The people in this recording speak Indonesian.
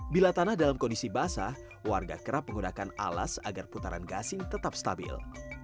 bila tanah dalam kondisi basah warga kerap menggunakan alas agar putaran gasing tetap stabil